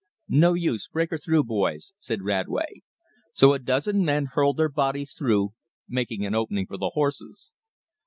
"No use, break her through, boys," said Radway. So a dozen men hurled their bodies through, making an opening for the horses.